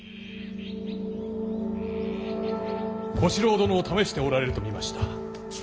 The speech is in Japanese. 小四郎殿を試しておられると見ました。